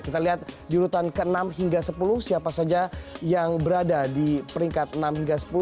kita lihat di urutan ke enam hingga sepuluh siapa saja yang berada di peringkat enam hingga sepuluh